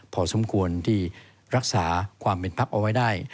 พอสมควรที่รักษาความเป็นพักเอาไว้ได้